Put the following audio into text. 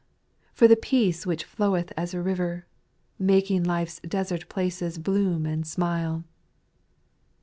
for the peace which floweth as a river, Vy Making life's desert places bloom and smile